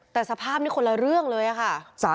แต่สภาพนี้คนละเรื่องเลยค่ะ